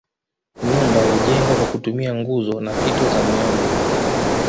Nyumba hujengwa kwa kutumia nguzo na fito za miombo